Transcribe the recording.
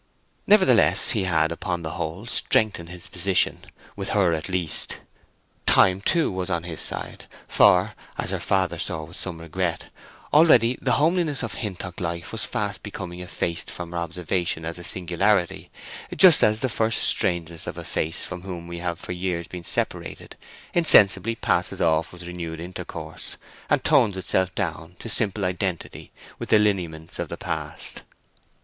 Nevertheless he had, upon the whole, strengthened his position, with her at least. Time, too, was on his side, for (as her father saw with some regret) already the homeliness of Hintock life was fast becoming effaced from her observation as a singularity; just as the first strangeness of a face from which we have for years been separated insensibly passes off with renewed intercourse, and tones itself down into simple identity with the lineaments of the past.